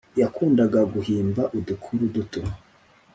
Yakundaga guhimba udukuru duto